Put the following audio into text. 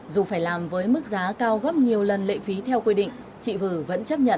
dù phải làm với mức giá cao gấp nhiều lần lệ phí theo quy định chị vư vẫn chấp nhận